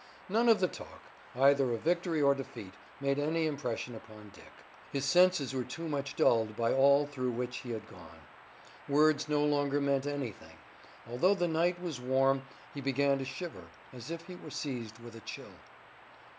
None of the talk, either of victory or defeat, made any impression upon Dick. His senses were too much dulled by all through which he had gone. Words no longer meant anything. Although the night was warm he began to shiver, as if he were seized with a chill.